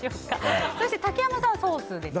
竹山さんはソースですね。